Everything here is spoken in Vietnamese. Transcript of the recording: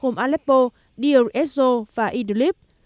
hồn aleppo deir ez zor và idlib